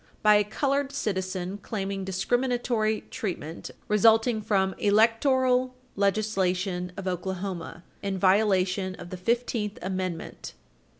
C. § 43), by a colored citizen claiming discriminatory treatment resulting from electoral legislation of Oklahoma, in violation of the Fifteenth Amendment.